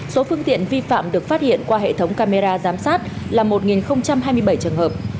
số phương tiện vi phạm được phát hiện qua hệ thống camera giám sát là một hai mươi bảy trường hợp